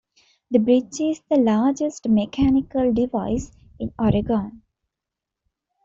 The bridge is the largest mechanical device in Oregon.